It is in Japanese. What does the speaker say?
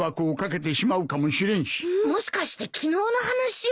もしかして昨日の話を。